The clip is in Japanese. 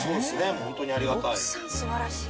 ホントにありがたい。